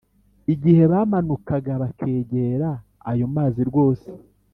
igihe bamanukaga bakegera ayo mazi rwose,